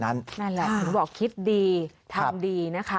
นั่นแหละถึงบอกคิดดีทำดีนะคะ